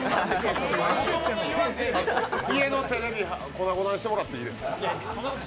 家のテレビ粉々にしてもらっていいですか。